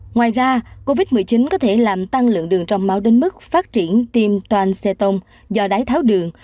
ngoài ra covid một mươi chín có thể làm tăng lượng đường trong máu đến mức phát triển tiêm toàn xe tông do đái tháo đường